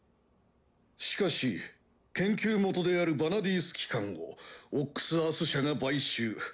しかし研究元であるヴァナディース機関を「オックス・アース社」が買収。